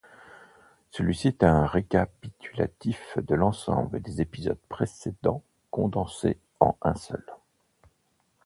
Celui-ci est un récapitulatif de l'ensemble des épisodes précédents condensé en un seul.